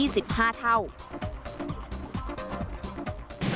ประกอบกับสภาพหน้าที่ปล่อนด้านหิว